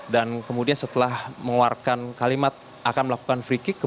dan kemudian setelah mengeluarkan kalimat akan melakukan free kick